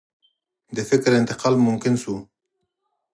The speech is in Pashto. د فکر انتقال ممکن شو.